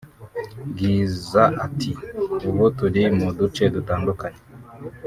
Bwiza ati “Ubu turi mu duce dutandukanye